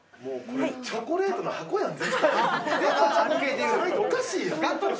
チョコレートの箱やん。